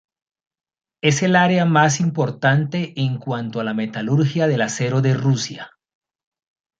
Es el área más importante en cuanto a la metalurgia del acero de Rusia.